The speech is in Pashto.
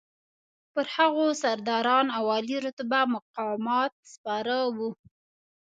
پر هغو سرداران او عالي رتبه مقامات سپاره وو.